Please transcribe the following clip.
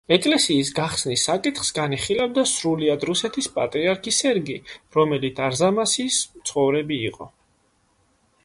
ეკლესიის გახსნის საკითხს განიხილავდა სრულიად რუსეთის პატრიარქი სერგი, რომელიც არზამასის მცხოვრები იყო.